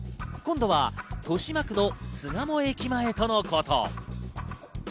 今度は豊島区の巣鴨駅前とのこと。